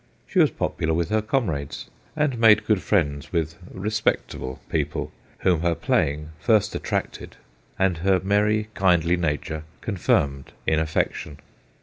She was popular with her comrades, and made good friends with ' respectable ' people, whom her playing first attracted, and her merry, kindly nature con firmed, in affection.